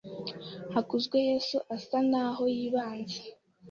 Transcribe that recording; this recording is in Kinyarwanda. Hakuzweyezu asa naho yibanze.